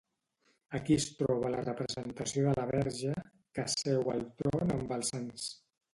Aquí es troba la representació de la Verge, que seu al tron amb els sants.